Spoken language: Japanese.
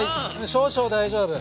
少々大丈夫。